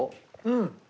うん。